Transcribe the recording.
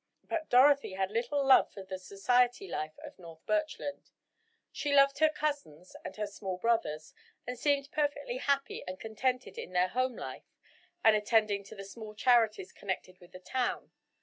But Dorothy had little love for the society life of North Birchland. She loved her cousins and her small brothers, and seemed perfectly happy and contented in her home life, and attending to the small charities connected with the town.